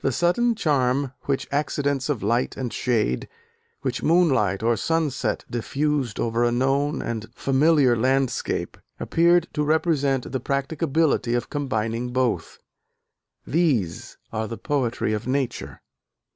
The sudden charm which accidents of light and shade, which moonlight or sunset diffused over a known and familiar landscape, appeared to represent the practicability of combining both. These are the poetry of nature."